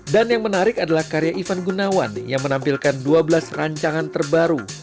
yang menarik adalah karya ivan gunawan yang menampilkan dua belas rancangan terbaru